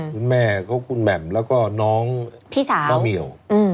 คุณแม่เขาคุณแหม่มแล้วก็น้องป้าเหมียว